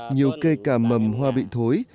nhiều cây cà mầm hoa bị thối